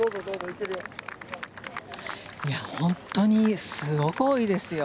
本当にすごく多いですよ。